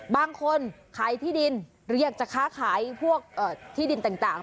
บางคนขายที่ดินเรียกจะค้าขายพวกที่ดินต่าง